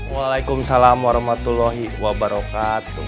waalaikumsalam warahmatullahi wabarakatuh